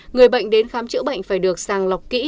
người bệnh đến khám chữa bệnh phải được sàng lọc kỹ